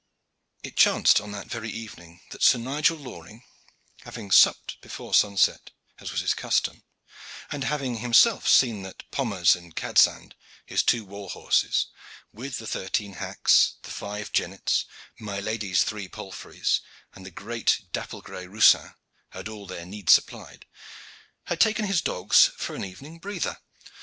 It chanced on that very evening that Sir Nigel Loring, having supped before sunset, as was his custom, and having himself seen that Pommers and Cadsand, his two war horses, with the thirteen hacks, the five jennets, my lady's three palfreys, and the great dapple gray roussin, had all their needs supplied, had taken his dogs for an evening breather.